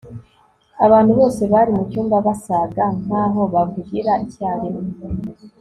abantu bose bari mucyumba basaga nkaho bavugira icyarimwe